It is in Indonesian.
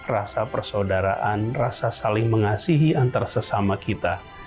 rasa persaudaraan rasa saling mengasihi antar sesama kita